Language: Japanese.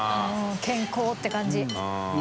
健康って感じ。